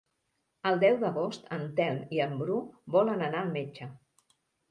El deu d'agost en Telm i en Bru volen anar al metge.